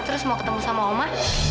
terus mau ketemu sama oma